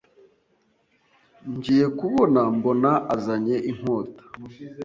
ngiye kubona mbona azanye inkota,